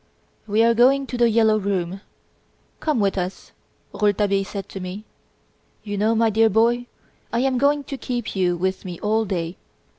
"We are going to "The Yellow Room". Come with us," Rouletabille said to me. "You know, my dear boy, I am going to keep you with me all day.